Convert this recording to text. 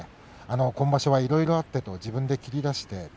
今場所はいろいろあったと自分で切り出しました。